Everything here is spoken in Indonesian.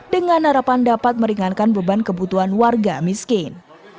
dengan harapan dapat meringankan beban kebutuhan warga miskin